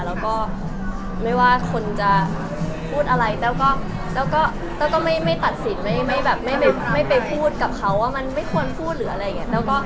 แล้วก็ไม่ว่าคนจะพูดอะไรแต้วก็แต้วก็ไม่ตัดสินไม่แบบไม่ไปพูดกับเขาว่ามันไม่ควรพูดหรืออะไรอย่างนี้